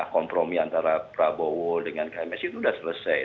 kompromi antara prabowo dengan kms itu sudah selesai